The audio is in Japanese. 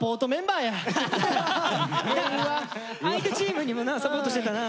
相手チームにもなサポートしてたな。